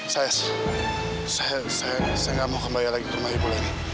saya saya nggak mau kembali lagi ke rumah bu leni